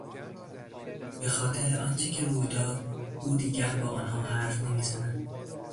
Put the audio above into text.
به خاطر آنچه که روی داد او دیگر با آنها حرف نمیزند.